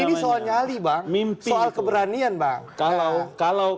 ini soal nyali bang soal keberanian bang